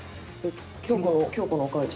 京子の京子のお母ちゃん。